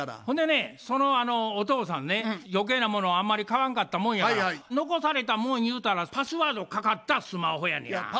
ほんでねそのお父さんね余計なものをあんまり買わんかったもんやから残されたもんゆうたらパスワードかかったスマホやねんや。